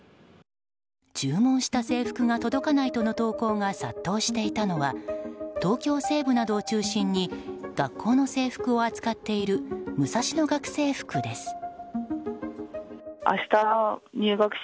注文した制服が届かないとの投稿が殺到していたのは東京西部などを中心に学校の制服を扱っているムサシノ学生服です。